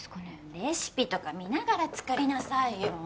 レシピとか見ながら作りなさいよ。